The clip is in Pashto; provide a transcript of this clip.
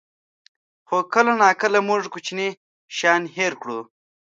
خو کله ناکله موږ کوچني شیان هېر کړو.